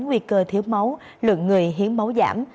nguy cơ thiếu máu lượng người hiến máu giảm